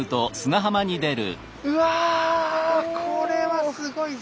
うわこれはすごいぞ！